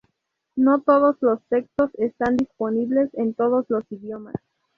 No todos los textos están disponibles en todos los idiomas.